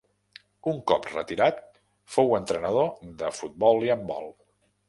Un cop retirat fou entrenador de futbol i handbol.